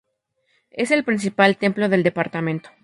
Es el principal templo del departamento.